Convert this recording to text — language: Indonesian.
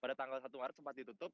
pada tanggal satu maret sempat ditutup